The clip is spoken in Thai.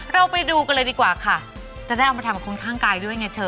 เราไปดูกันเลยดีกว่าค่ะจะได้เอามาทำกับคนข้างกายด้วยไงเธอ